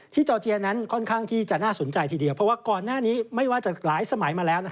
จอร์เจียนั้นค่อนข้างที่จะน่าสนใจทีเดียวเพราะว่าก่อนหน้านี้ไม่ว่าจะหลายสมัยมาแล้ว